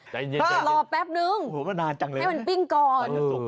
รอแป๊บนึงให้มันปิ้งก่อน